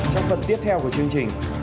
trong phần tiếp theo của chương trình